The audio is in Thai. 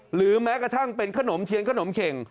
หรือแม้กระทั่งเป็นขนมเทียนขนมเข็ง